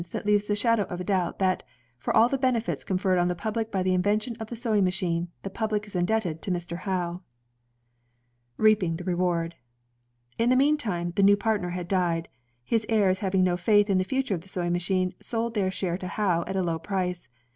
. that leaves the shadow of a doubt, that, for all the benefits conferred on the public by the inven tion of the sewing machine, the public is indebted to Mr. Howe." Reaping the Reward In the meantime, the new partner had died. His heirs having no faith in the future of the sewing machine, sold their share to Howe at a low price.